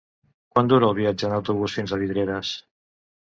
Quant dura el viatge en autobús fins a Vidreres?